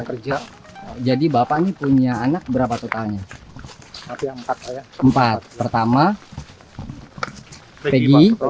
kerja jadi bapaknya punya anak berapa total nya empat pertama ottae ofyllien